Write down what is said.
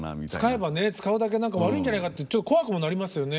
使えば使うだけ悪いんじゃないかってちょっと怖くもなりますよね。